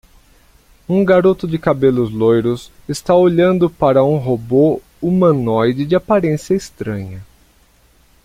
Um garoto de cabelos loiros está olhando para um robô humanoide de aparência estranha.